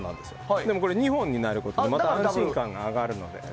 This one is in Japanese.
でも、これが２本になることでまた安心感が上がるので。